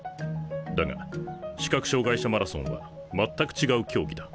だが視覚障害者マラソンは全く違う競技だ。